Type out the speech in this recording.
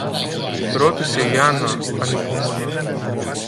ρώτησε η Άννα, ανυπόμονα.